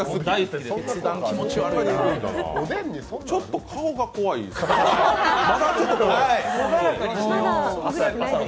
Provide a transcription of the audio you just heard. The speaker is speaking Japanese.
ちょっと顔が怖いです。